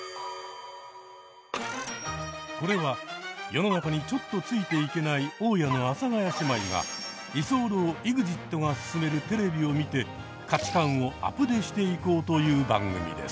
これは世の中にちょっとついていけない大家の阿佐ヶ谷姉妹が居候ＥＸＩＴが勧めるテレビを見て価値観をアプデしていこうという番組です。